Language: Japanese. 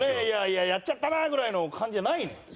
いやいややっちゃったなぐらいの感じじゃないの？